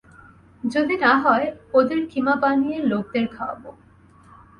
যদি না হয়, ওদের কিমা বানিয়ে, লোকদের খাওয়াবো।